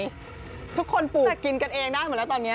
พวกนี้ทุกคนปลูกกินกันเองนะเหมือนล่ะตอนนี้